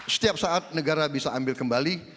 setiap saat negara bisa ambil kembali